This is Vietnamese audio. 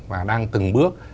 và đang từng bước